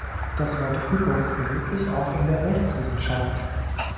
Das Wort Übung findet sich auch in der Rechtswissenschaft.